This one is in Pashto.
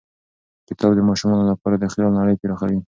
کتاب د ماشومانو لپاره د خیال نړۍ پراخوي.